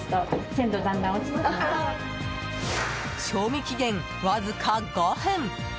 賞味期限わずか５分。